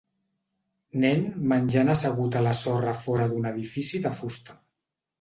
Nen menjant assegut a la sorra a fora d'un edifici de fusta.